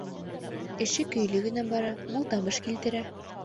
Эше көйлө генә бара, мул табыш килтерә.